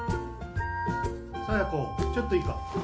佐弥子ちょっといいか？